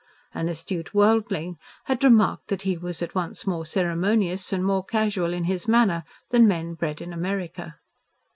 An astute worldling had remarked that he was at once more ceremonious and more casual in his manner than men bred in America.